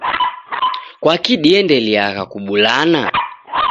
Kwaki diendeliagha kubulana?